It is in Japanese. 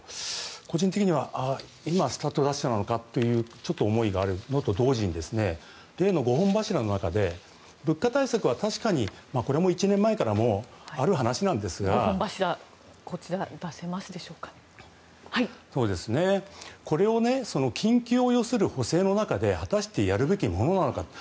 個人的には今、スタートダッシュなのかという思いがちょっとあるのと同時に例の５本柱の中で物価対策はこれも１年前からある話なんですがこれを緊急を要する補正の中で果たしてやるべきものなのかと。